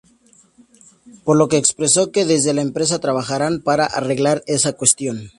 Por lo que expresó que desde la empresa trabajarán para arreglar esa cuestión.